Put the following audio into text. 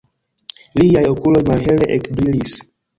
Liaj okuloj malhele ekbrilis.